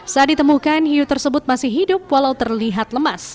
saat ditemukan hiu tersebut masih hidup walau terlihat lemas